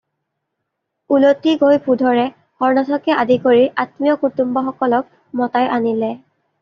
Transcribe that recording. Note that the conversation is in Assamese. উলটি গৈ ভূধৰে হৰনাথকে আদি কৰি আত্মীয়-কুটুম্বসকলক মতাই আনিলে।